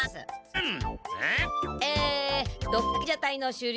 うん！？